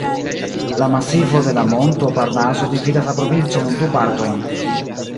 La masivo de la monto Parnaso dividas la provincon en du partojn.